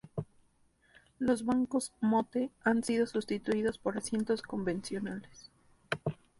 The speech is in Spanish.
Los bancos "Motte" han sido sustituidos por asientos convencionales.